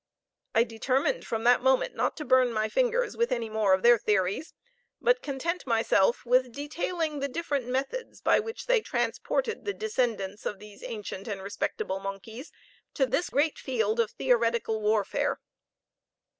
I determined from that moment not to burn my fingers with any more of their theories, but content myself with detailing the different methods by which they transported the descendants of these ancient and respectable monkeys to this great field of theoretical warfare.